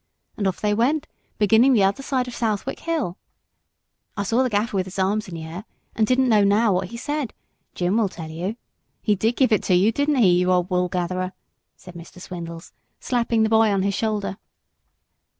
And off they went, beginning the other side of Southwick Hill. I saw the Gaffer with his arms in the air, and don't know now what he said. Jim will tell you. He did give it you, didn't he, you old Woolgatherer?" said Mr. Swindles, slapping the boy on the shoulder.